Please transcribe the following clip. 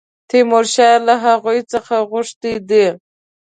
تیمورشاه له هغوی څخه غوښتي دي.